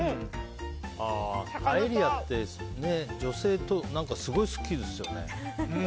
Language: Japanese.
パエリアって女性がすごい好きですよね。